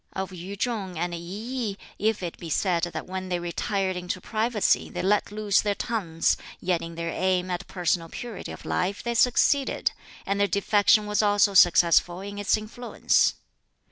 "Of Yu chung and I yih, if it be said that when they retired into privacy they let loose their tongues, yet in their aim at personal purity of life they succeeded, and their defection was also successful in its influence.